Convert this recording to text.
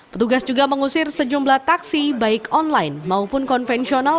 petugas juga mengusir sejumlah taksi baik online maupun konvensional